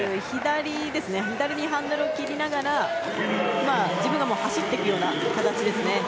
左にハンドルを切りながら自分でも走っていくような感じですね。